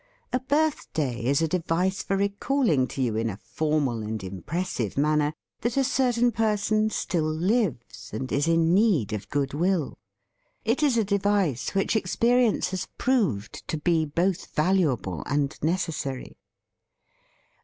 A birthday is a de vice for recalling to you in a formal and impressive manner that a certain person still lives and is in need of good THE FEAST OF ST FRIEND will. It is a device which experience has proved to be both valuable and necessary.